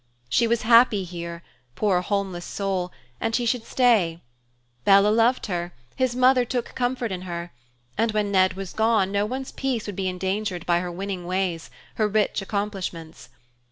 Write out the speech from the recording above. She was happy here, poor, homeless soul, and she should stay. Bella loved her, his mother took comfort in her, and when Ned was gone, no one's peace would be endangered by her winning ways, her rich accomplishments.